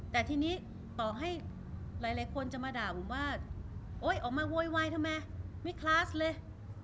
แต่ทีนี้ต่อให้หลายคนจะมาด่าผมว่าโอ๊ยออกมาโวยวายทำไมไม่คลาสเลย